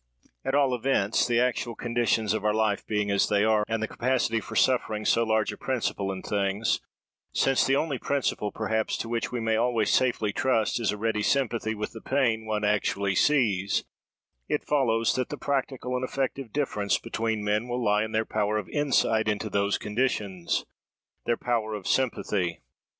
"At all events, the actual conditions of our life being as they are, and the capacity for suffering so large a principle in things—since the only principle, perhaps, to which we may always safely trust is a ready sympathy with the pain one actually sees—it follows that the practical and effective difference between men will lie in their power of insight into those conditions, their power of sympathy.